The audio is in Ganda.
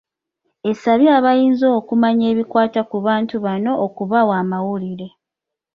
Esabye abayinza okumanya ebikwata ku bantu bano okubawa amawulire.